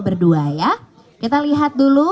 berdua ya kita lihat dulu